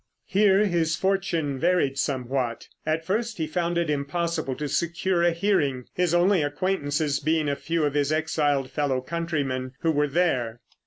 Here his fortune varied somewhat. At first he found it impossible to secure a hearing, his only acquaintances being a few of his exiled fellow countrymen, who were there.